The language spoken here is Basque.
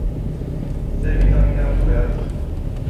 C bitamina hartu behar dut.